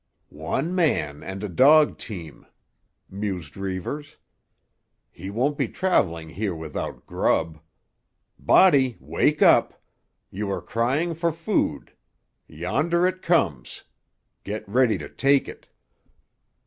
"One man and a dog team," mused Reivers. "He won't be travelling here without grub. Body, wake up! You are crying for food. Yonder it comes. Get ready to take it."